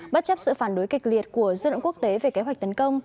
bất chấp sự phản đối kịch liệt của dự đoạn quốc tế về kế hoạch tấn công